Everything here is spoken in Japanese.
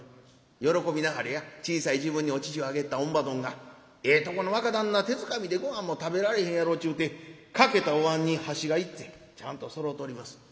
喜びなはれや小さい時分にお乳をあげた乳母どんが『ええとこの若旦那手づかみでごはんも食べられへんやろ』ちゅうて欠けたおわんに箸が１膳ちゃんとそろうております。